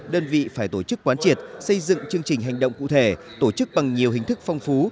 đơn vị phải tổ chức quán triệt xây dựng chương trình hành động cụ thể tổ chức bằng nhiều hình thức phong phú